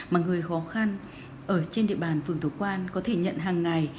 mà người khó khăn ở trên địa bàn phường thuộc quan có thể nhận hàng ngày